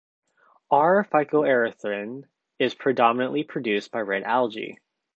R-phycoerythrin is predominantly produced by red algae.